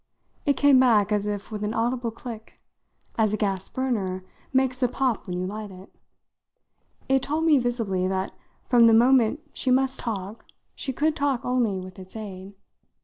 It came back as if with an audible click as a gas burner makes a pop when you light it. It told me visibly that from the moment she must talk she could talk only with its aid.